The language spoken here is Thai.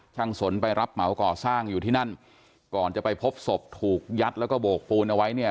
สนไปรับเหมาก่อสร้างอยู่ที่นั่นก่อนจะไปพบศพถูกยัดแล้วก็โบกปูนเอาไว้เนี่ย